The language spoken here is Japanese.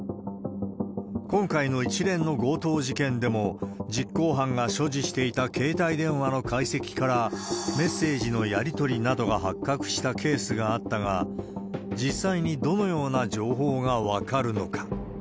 今回の一連の強盗事件でも、実行犯が所持していた携帯電話の解析から、メッセージのやり取りなどが発覚したケースがあったが、実際にどのような情報が分かるのか。